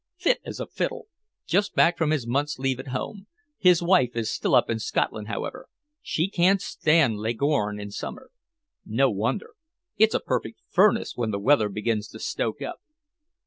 "Fit as a fiddle. Just back from his month's leave at home. His wife is still up in Scotland, however. She can't stand Leghorn in summer." "No wonder. It's a perfect furnace when the weather begins to stoke up."